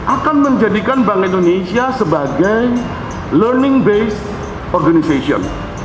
akan menjadikan bank indonesia sebagai learning based organization